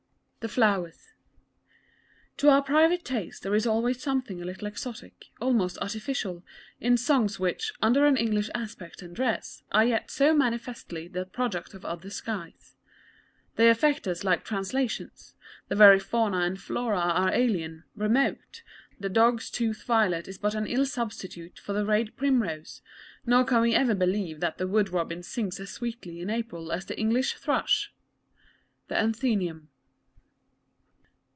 _ THE FLOWERS To our private taste, there is always something a little exotic, almost artificial, in songs which, under an English aspect and dress, are yet so manifestly the product of other skies. They affect us like translations; the very fauna and flora are alien, remote; the dog's tooth violet is but an ill substitute for the rathe primrose, nor can we ever believe that the wood robin sings as sweetly in April as the English thrush. THE ATHENÆUM.